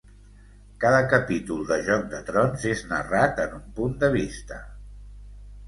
Cada capítol de Joc de Trons és narrat en un punt de vista.